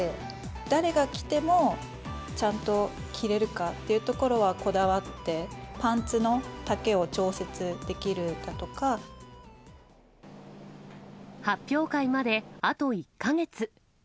誰が着てもちゃんと着れるかっていうところは、こだわって、発表会まであと１か月。